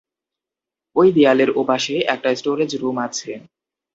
ওই দেয়ালের ওপাশে, একটা স্টোরেজ রুম আছে।